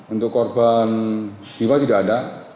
untuk korban jiwa tidak ada